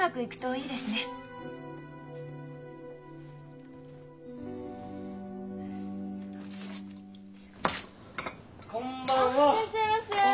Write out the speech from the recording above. あいらっしゃいませ。